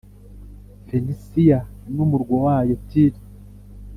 Fenisiya n’umurwa wayo, Tiri